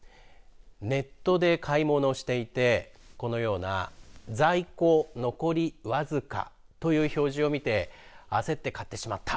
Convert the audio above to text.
ネットで買い物をしていてこのような在庫残りわずかという表示を見て焦って買ってしまった。